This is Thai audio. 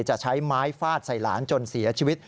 จะใช้ไม้ฟาดใส่หลานจนเสียชีวิต